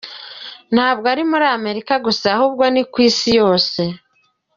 Ntabwo ari muri Amerika gusa ahubwo ni ku Isi yose.